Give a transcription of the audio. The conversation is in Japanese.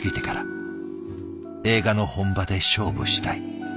映画の本場で勝負したい。